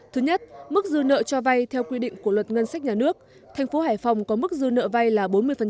thứ nhất mức dư nợ cho vay theo quy định của luật ngân sách nhà nước thành phố hải phòng có mức dư nợ vay là bốn mươi